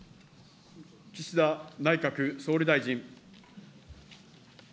岸田内閣総理大臣。